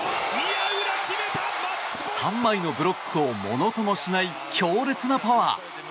３枚のブロックをものともしない強烈なパワー！